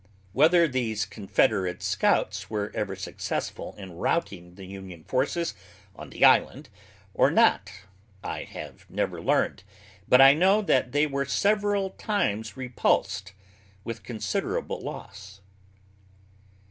Whether these Confederate scouts were ever successful in routing the Union forces on the island or not I have never learned, but I know that they were several times repulsed with considerable loss.